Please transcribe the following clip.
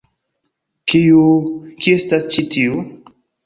Kiu... kiu estas ĉi tiu?